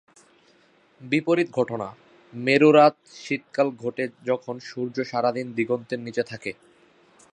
বিপরীত ঘটনা, মেরু রাত শীতকালে ঘটে যখন সূর্য সারা দিন দিগন্তের নীচে থাকে।